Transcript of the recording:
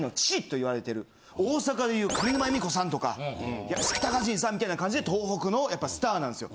大阪でいう上沼恵美子さんとかやしきたかじんさんみたいな感じで東北のスターなんですよ。